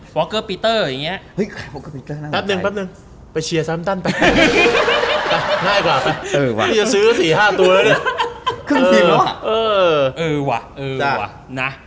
แปปหนึ่งไปเชียร์สามตั้น